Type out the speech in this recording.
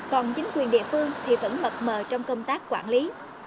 còn chính quyền địa phương thì vẫn mập mờ trong công tác quản lý